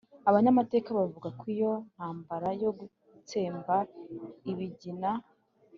Abanyamateka bavuga ko iyo ntambara yo gutsemba Ibigina